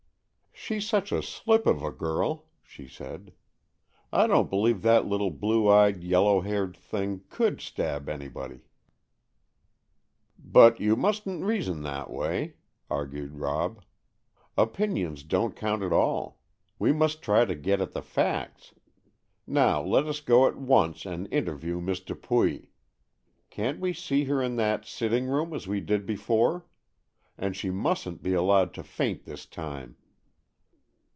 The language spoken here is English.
"She's such a slip of a girl!" she said. "I don't believe that little blue eyed, yellow haired thing could stab anybody." "But you mustn't reason that way," argued Rob. "Opinions don't count at all. We must try to get at the facts. Now let us go at once and interview Miss Dupuy. Can't we see her in that sitting room, as we did before? And she mustn't be allowed to faint this time."